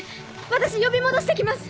私呼び戻して来ます！